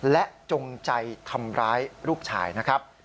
และจงใจทำร้ายลูกชายนะครับ